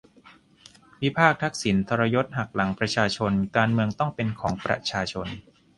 วิพากษ์ทักษิณ ทรยศหักหลังประชาชน การเมืองต้องเป็นของประชาชน